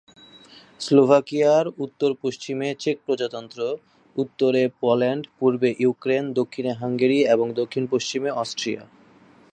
স্লোভাকিয়ার উত্তর-পশ্চিমে চেক প্রজাতন্ত্র, উত্তরে পোল্যান্ড, পূর্বে ইউক্রেন, দক্ষিণে হাঙ্গেরি এবং দক্ষিণ-পশ্চিমে অস্ট্রিয়া।